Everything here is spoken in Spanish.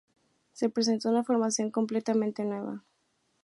Se presentó una formación completamente nueva.